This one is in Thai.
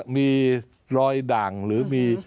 มีรอยดั่งหรือมี